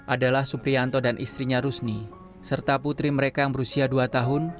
adalah suprianto dan istrinya rusni serta putri mereka yang berusia dua tahun